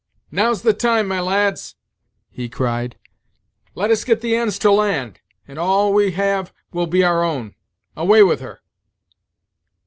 "Now's the time, my lads," he cried; "let us get the ends to land, and all we have will be our own away with her!"